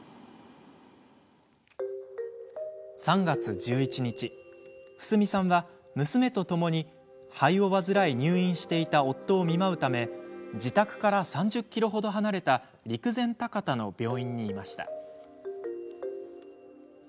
３月１１日フスミさんは娘とともに肺を患い入院していた夫を見舞うため自宅から３０ｋｍほど離れた陸前高田の病院にいました。